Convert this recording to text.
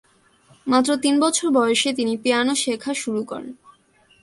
মাত্র তিন বছর বয়সে তিনি পিয়ানো শেখা শুরু করেন।